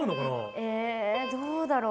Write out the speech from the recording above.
えー、どうだろう。